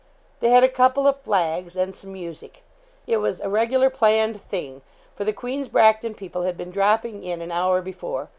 They had a couple of flags, and some music. It was 'a regular, planned thing;' for the Queen's Bracton people had been dropping in an hour before.